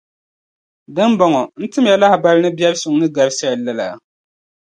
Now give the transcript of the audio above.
Di ni bɔŋɔ, n-tim ya lahibali ni bɛrisuŋ din gari lala?